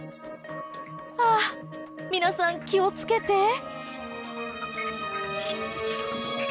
あ皆さん気を付けて。